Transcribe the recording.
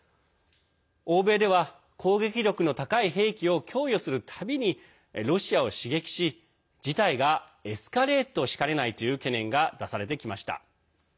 欧米では、攻撃力の高い兵器を供与するたびに、ロシアを刺激し事態がエスカレートしかねないという懸念が出されてきました。